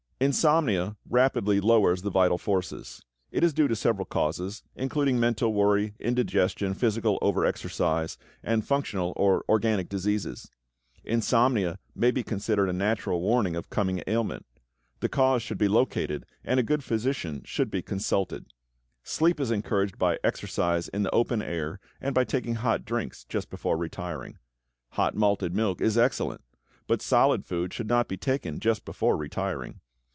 = Insomnia rapidly lowers the vital forces. It is due to several causes, including mental worry, indigestion, physical overexercise, and functional or organic diseases. Insomnia may be considered a natural warning of coming ailment. The cause should be located, and a good physician should be consulted. Sleep is encouraged by exercise in the open air and by taking hot drinks just before retiring. Hot malted milk is excellent; but solid food should not be taken just before retiring.